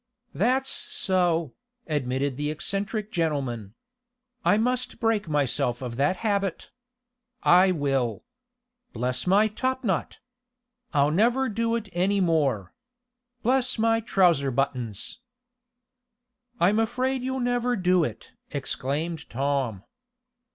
"That's so," admitted the eccentric gentleman. "I must break myself of that habit. I will. Bless my topknot! I'll never do it any more. Bless my trousers buttons!" "I'm afraid you'll never do it!" exclaimed Tom.